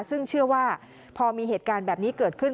ซึ่งเชื่อว่าพอมีเหตุการณ์แบบนี้เกิดขึ้น